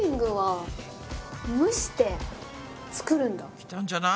きたんじゃない？